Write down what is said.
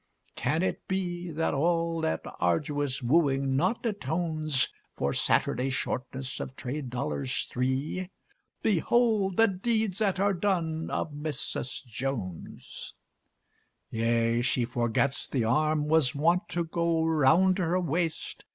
Can it be That all that arduous wooing not atones For Saturday shortness of trade dollars three? Behold the deeds that are done of Mrs. Jones! Yea! she forgets the arm was wont to go Around her waist.